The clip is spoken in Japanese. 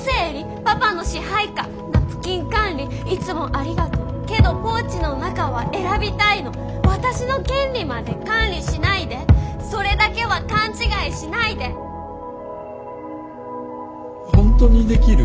ナプキン管理いつもありがとうけどポーチの中は選びたいの私の権利まで管理しないでそれだけは勘違いしないで本当にできる？